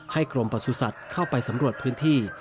กรมประสุทธิ์เข้าไปสำรวจพื้นที่